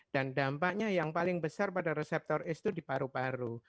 dan dampaknya yang paling besar pada reseptor ace itu di paru paru